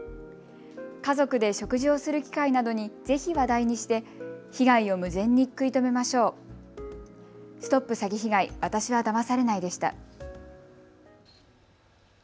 家族で食事をする機会などにぜひ話題にして被害を未然に食い止めましょう。